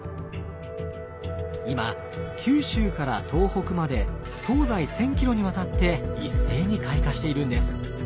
今九州から東北まで東西１，０００ｋｍにわたって一斉に開花しているんです。